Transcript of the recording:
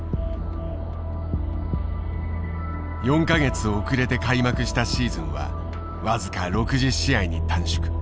４か月遅れて開幕したシーズンは僅か６０試合に短縮。